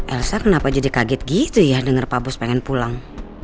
elsa kenapa jadi kaget gitu ya denger pak bos pengen pulang